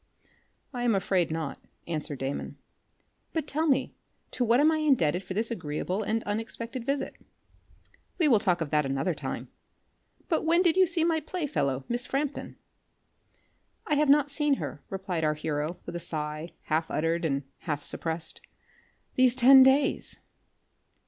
"I am afraid not," answered Damon. "But tell me to what am I indebted for this agreeable and unexpected visit?" "We will talk of that another time. But when did you see my play fellow, Miss Frampton?" "I have not seen her," replied our hero with a sigh half uttered, and half suppressed, "these ten days."